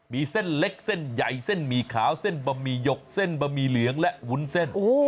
มีเส้นเล็กเส้นใหญ่เส้นหมี่ขาวเส้นบะหมี่หยกเส้นบะหมี่เหลืองและวุ้นเส้น